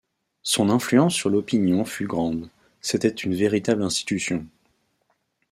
Son influence sur l'opinion fut grande, c'était une véritable institution.